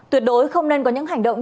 tuyệt đối không nên có những hành động